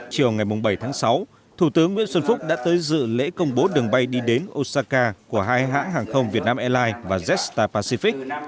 chiều ngày bảy tháng sáu thủ tướng nguyễn xuân phúc đã tới dự lễ công bố đường bay đi đến osaka của hai hãng hàng không việt nam airlines và jetstar pacific